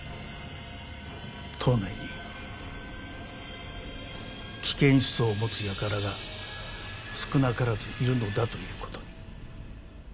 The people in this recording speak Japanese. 党内に危険思想を持つ輩が少なからずいるのだという事に。